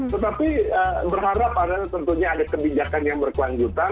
tetapi berharap adalah tentunya ada kebijakan yang berkelanjutan